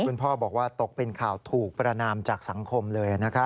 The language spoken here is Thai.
คุณพ่อบอกว่าตกเป็นข่าวถูกประนามจากสังคมเลย